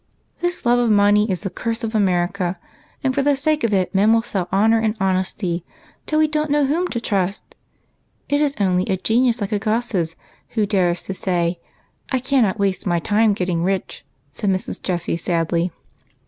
" This love of money is the curse of America, and for the sake of it men will sell honor and honesty, till we don't know whom to trust, and it is only a genius like Agassiz who dares to say, ' I cannot waste my time in getting rich,' " said Mrs. Jessie sadly.